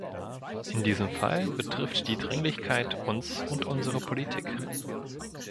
In diesem Fall betrifft die Dringlichkeit uns und unsere Politik.